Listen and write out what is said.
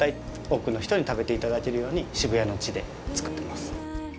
多くの人に食べていただけるよう渋谷の地で作ってます。